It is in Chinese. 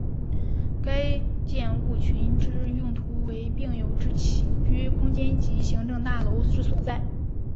该建物群之用途为病友之起居空间及行政大楼之所在。